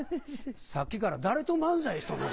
さっきから誰と漫才しとんの？